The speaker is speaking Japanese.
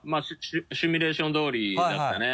シミュレーション通りだったね。